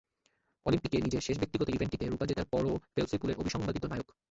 অলিম্পিকে নিজের শেষ ব্যক্তিগত ইভেন্টটিতে রুপা জেতার পরও ফেল্প্সই পুলের অবিসংবাদিত নায়ক।